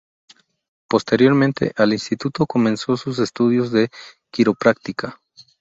Posteriormente al instituto, comenzó sus estudios de quiropráctica.